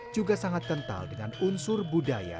juga sangat kental dengan unsur budaya